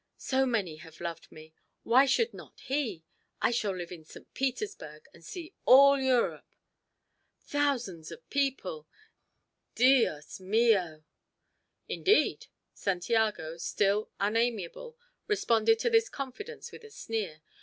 So many have loved me why should not he? I shall live in St. Petersburg, and see all Europe! thousands of people Dios mio! Dios mio!" "Indeed!" Santiago, still unamiable, responded to this confidence with a sneer.